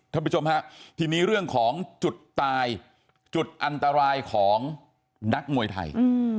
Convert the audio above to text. ท่านผู้ชมครับทีนี้เรื่องของจุดตายจุดอันตรายของนักมวยไทย